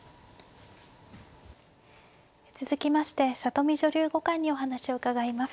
続きまして里見女流五冠にお話を伺います。